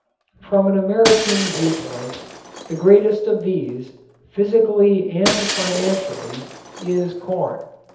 From an American viewpoint the greatest of these, physically and financially, is corn.